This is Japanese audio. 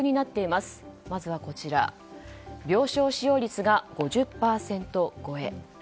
まずは、病床使用率が５０％超え。